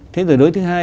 thế rồi đối với thứ hai